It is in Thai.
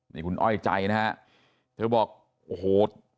นี่คุณอ้อยใจนะฮะเธอบอกโอ้โห